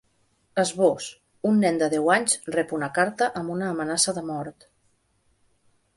Esbós: Un nen de deu anys rep una carta amb una amenaça de mort.